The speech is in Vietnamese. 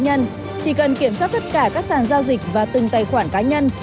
nhưng chỉ cần kiểm soát tất cả các sản giao dịch và từng tài khoản cá nhân